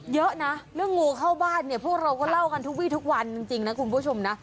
เยอะนะเรื่องงูเข้าบ้านเนี่ยพวกเราก็เล่ากันทุกวีทุกวันจริงนะคุณผู้ชมนะ